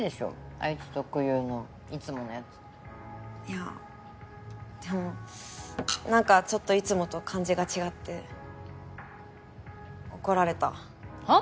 あいつ特有のいつものやついやでもなんかちょっといつもと感じが違って怒られたはっ？